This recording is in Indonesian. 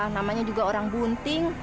namanya juga orang bunting